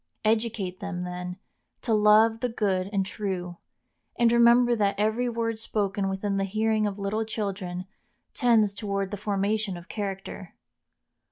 Educate them, then, to love the good and true, and remember that every word spoken within the hearing of little children tends toward the formation of character.